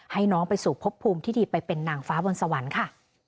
ให้น้องไปสู่พบภูมิที่ดีไปเป็นนางฟ้าบนสวรรค์ค่ะ